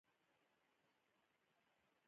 دا د انسان درک په ښه توګه بیانوي.